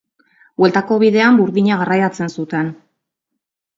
Bueltako bidean, burdina garraiatzen zuten.